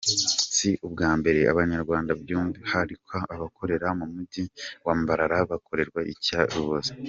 Si ubwa mbere Abanyarwanda by’umwihariko abakorera mu mujyi wa Mbarara bakorerwa iyicarubozo.